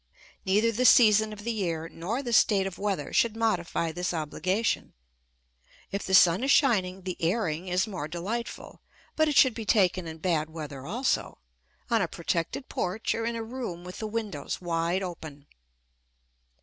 Neither the season of the year nor the state of weather should modify this obligation. If the sun is shining the "airing" is more delightful, but it should be taken in bad weather also, on a protected porch or in a room with the windows wide open.